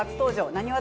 なにわ